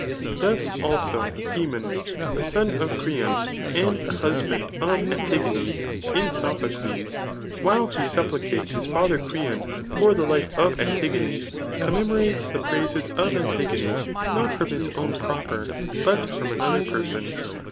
Thus, also^ JEmcm [the son of Creon^ and the husband of Antigone,] in Sophocles, while he iu]^cates his father Creon for the life of Antigone commemorates the praises of Antigone not from his own pfc^, but from another person.